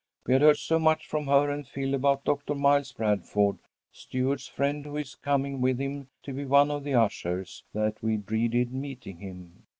"We had heard so much from her and Phil about Doctor Miles Bradford, Stuart's friend who is coming with him to be one of the ushers, that we dreaded meeting him.